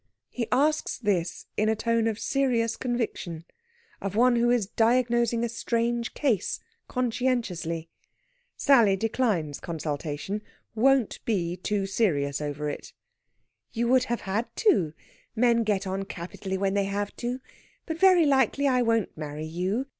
He asks this in a tone of serious conviction, of one who is diagnosing a strange case, conscientiously. Sally declines consultation won't be too serious over it. "You would have had to. Men get on capitally when they have to. But very likely I won't marry you.